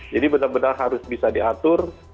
jadi benar benar harus bisa diatur